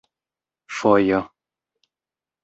fojo